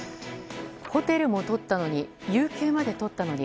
ホテルも取ったのに有休まで取ったのに。